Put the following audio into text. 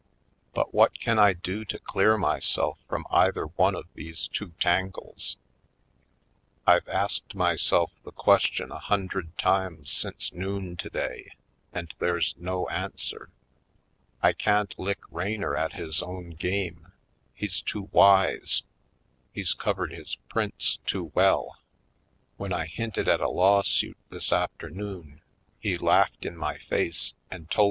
But what can I do to clear myself from either one of these two tangles? I've asked myself the question a hundred times since noon today and there's no answer. I can't lick Raynor at his own game; he's too wise; he's covered his prints too well. When I hinted at a lawsuit this afternoon he laughed in my face and told m.